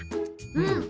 うん。